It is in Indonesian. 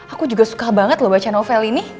aku juga suka banget loh baca novel ini